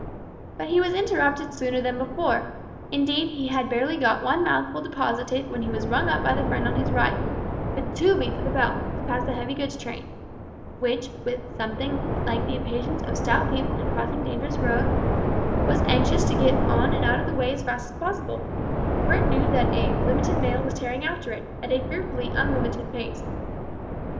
But he was interrupted sooner than before, indeed he had barely got one mouthful deposited when he was rung up by the friend on his right, with two beats of the bell, to pass a heavy goods train, which, with something like the impatience of stout people in crossing dangerous roads, was anxious to get on and out of the way as fast as possible, for it knew that a `limited mail' was tearing after it, at a fearfully unlimited pace.